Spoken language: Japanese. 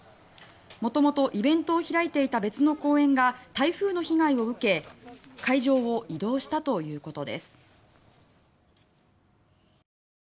元々、イベントを開いていた別の公園が台風の被害を受け会場を移動したということです。